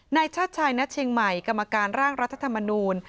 ในชาติชายนชิงใหม่กรรมการร่างรัฐธรรมนุน